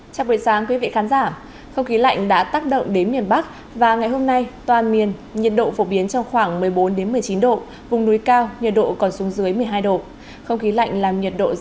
chào mừng quý vị đến với bộ phim hãy nhớ like share và đăng ký kênh của chúng mình nhé